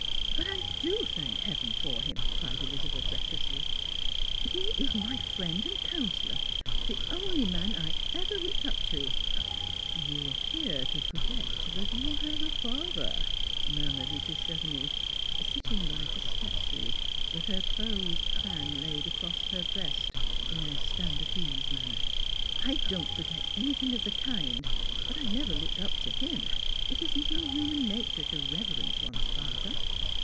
" But I do thank heaven for him," cried Elizabeth recklessly. " He is my friend and counsellor, — the only man I ever looked up to '"" Tou appear to forget that you have a father," murmured Mrs. Chevenix, sitting Like a statue, with her closed fan laid across her breast, in a stand at ease manner. " I don't forget anything of the kind ; but I never looked up to Mm. It isn't in human nature to revei'ence one's father.